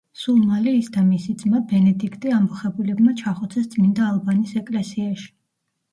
სულ მალე ის და მისი ძმა, ბენედიქტე ამბოხებულებმა ჩახოცეს წმინდა ალბანის ეკლესიაში.